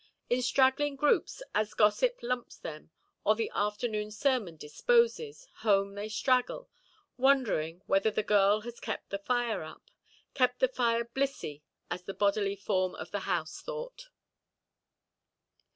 In straggling groups, as gossip lumps them, or the afternoon sermon disposes, home they straggle, wondering whether the girl has kept the fire up. Kept the fire "blissy" is the bodily form of the house–thought.